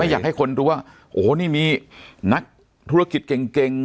อยากให้คนรู้ว่าโอ้โหนี่มีนักธุรกิจเก่ง